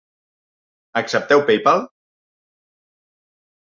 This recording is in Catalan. Accepteu Paypal?